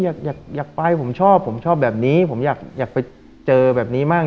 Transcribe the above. อยากอยากไปผมชอบผมชอบแบบนี้ผมอยากไปเจอแบบนี้บ้าง